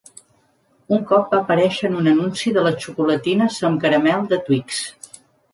Un cop va aparèixer en un anunci de les xocolatines amb caramel de Twix.